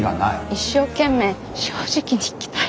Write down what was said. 一生懸命正直に生きたい。